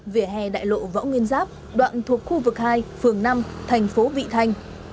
về hè đại lộ võ nguyên giáp đoạn thuộc khu vực hai phường năm thành phố vị thành